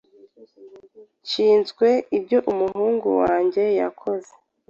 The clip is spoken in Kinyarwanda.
Nshinzwe ibyo umuhungu wanjye yakoze.